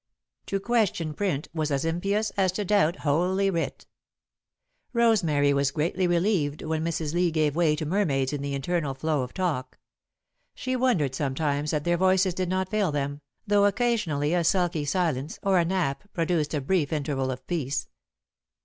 To question print was as impious as to doubt Holy Writ. Rosemary was greatly relieved when Mrs. Lee gave way to mermaids in the eternal flow of talk. She wondered, sometimes, that their voices did not fail them, though occasionally a sulky silence or a nap produced a brief interval of peace.